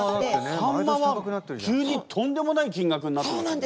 サンマは急にとんでもない金額になってますよね。